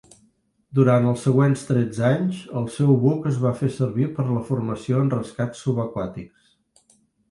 Durant els següents tretze anys, el seu buc es va fer servir per a la formació en rescats subaquàtics.